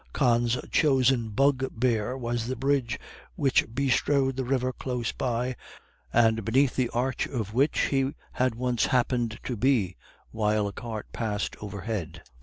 Con's chosen bugbear was the bridge which bestrode the river close by, and beneath the arch of which he had once happened to be while a cart passed overhead.